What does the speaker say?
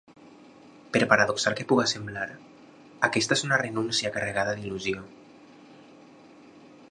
Per paradoxal que pugui semblar, aquesta és una renúncia carregada d’il·lusió.